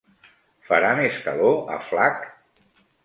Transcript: Farà més calor a Flag?